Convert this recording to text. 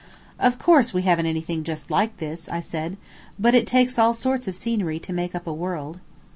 "Of course, we haven't anything just like this," I said, "but it takes all sorts of scenery to make up a world."